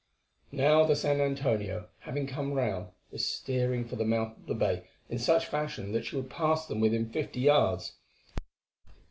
Now the San Antonio, having come round, was steering for the mouth of the bay in such fashion that she would pass them within fifty yards.